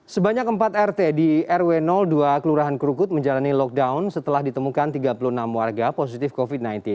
sebanyak empat rt di rw dua kelurahan krukut menjalani lockdown setelah ditemukan tiga puluh enam warga positif covid sembilan belas